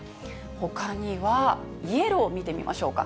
ほかには、イエロー見てみましょうか。